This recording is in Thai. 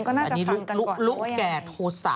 อันนี้ลุกแก่โทสะ